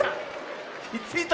ひっついた！